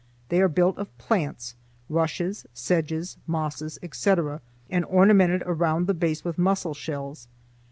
They are built of plants—rushes, sedges, mosses, etc.—and ornamented around the base with mussel shells.